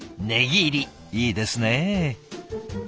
ねぎ入りいいですね。